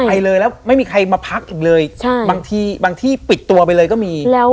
ไปเลยแล้วไม่มีใครมาพักอีกเลยบางทีปิดตัวไปเลยก็มี